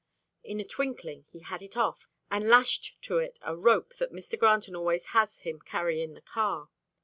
In a twinkling, he had it off, and lashed to it a rope that Mr. Granton always has him carry in the car.